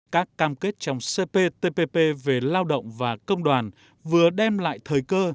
các cam kết trong cptpp về lao động và công đoàn vừa đem lại thời cơ